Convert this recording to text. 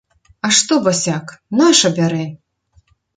А што, басяк, наша бярэ!